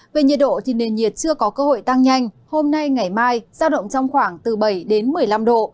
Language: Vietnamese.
về nhiệt độ thì nền nhiệt chưa có cơ hội tăng nhanh hôm nay ngày mai giao động trong khoảng từ bảy đến một mươi năm độ